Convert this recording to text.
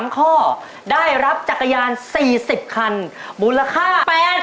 ๓ข้อได้รับจักรยาน๔๐คันมูลค่า๘๐๐๐